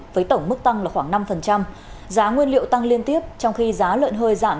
với tổng mức tăng nguyên liệu thức ăn chăn nuôi đã liên tục tăng